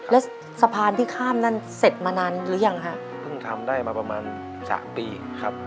แล้วสะพานที่ข้ามนั้นเสร็จมานานหรือยังฮะเพิ่งทำได้มาประมาณสามปีครับ